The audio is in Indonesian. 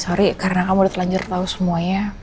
sorry karena kamu udah telanjur tahu semuanya